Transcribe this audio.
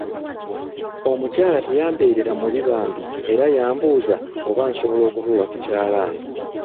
Omukyala teyambeerera mubi bambi era yambuuza oba nsobola okutuula ku kyalaani.